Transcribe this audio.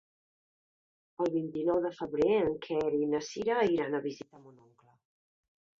El vint-i-nou de febrer en Quer i na Cira iran a visitar mon oncle.